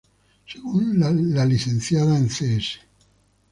Según la Licenciada en Cs.